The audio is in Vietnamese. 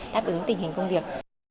đáp ứng tình hình công việc